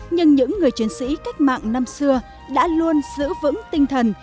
nhưng những người chiến sĩ cách mạng năm xưa đã luôn giữ vững tinh thần